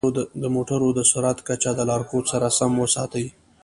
د موټرو د سرعت کچه د لارښود سره سم وساتئ.